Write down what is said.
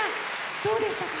どうでしたか？